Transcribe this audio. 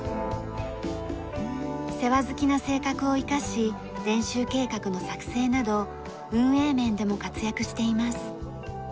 世話好きな性格を生かし練習計画の作成など運営面でも活躍しています。